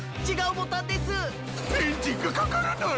エンジンがかからない！